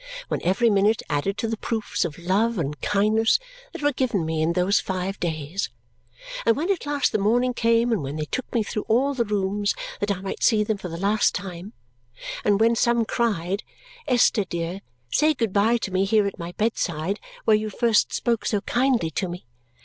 When every minute added to the proofs of love and kindness that were given me in those five days, and when at last the morning came and when they took me through all the rooms that I might see them for the last time, and when some cried, "Esther, dear, say good bye to me here at my bedside, where you first spoke so kindly to me!"